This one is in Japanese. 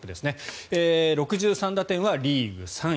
６３打点はリーグ３位。